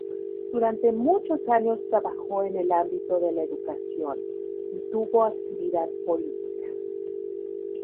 Durante muchos años trabajó en el ámbito de la educación y tuvo actividad política.